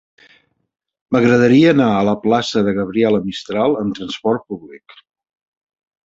M'agradaria anar a la plaça de Gabriela Mistral amb trasport públic.